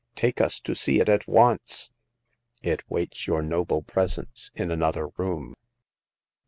" Take us to see it at once !"" It waits your noble presence in another room.''